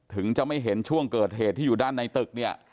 ถึงจะไม่เห็นช่วงเกิดเหตุที่อยู่ด้านในตึกเนี่ย